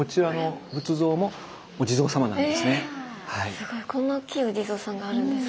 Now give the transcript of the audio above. ⁉すごいこんな大きいお地蔵さんがあるんですか。